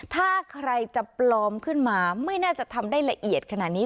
ถ้าใครจะปลอมขึ้นมาไม่น่าจะทำได้ละเอียดขนาดนี้